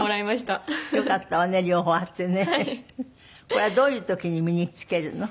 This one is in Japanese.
これはどういう時に身に着けるの？